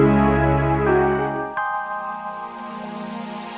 untuk mencukupi kebutuhan kita